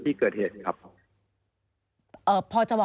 มีความรู้สึกว่ามีความรู้สึกว่า